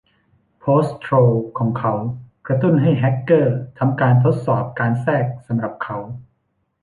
โพสต์โทรลล์ของเขากระตุ้นให้แฮกเกอร์ทำการทดสอบการแทรกสำหรับเขา